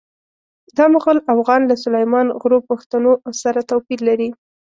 دا مغول اوغان له سلیمان غرو پښتنو سره توپیر لري.